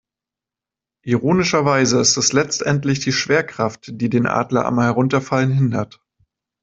Ironischerweise ist es letztendlich die Schwerkraft, die den Adler am Herunterfallen hindert.